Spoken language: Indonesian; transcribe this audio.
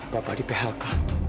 bapak di phk